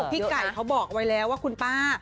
พี่ไก่เขาบอกไว้แล้วว่าคุณป้า